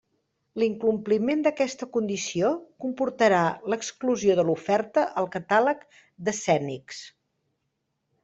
L'incompliment d'aquesta condició comportarà l'exclusió de l'oferta al catàleg d'Escènics.